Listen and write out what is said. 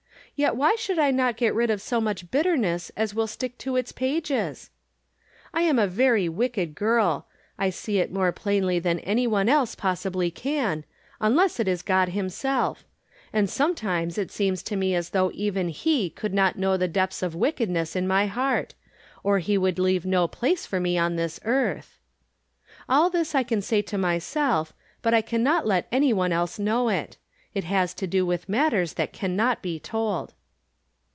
Yet why should I not get rid of so much bitterness as wiU stick to its pages ? I am a very wicked girl. I see it more plainly than any one else possibly can, unless it is God himself ; and sometimes it seems to me as though even he could not know the depths of wickedness in my heart, or he would leave no place for me on this earth. All this I can say to myself, but I can not let any one else know it. It has to do with matters that can not be told.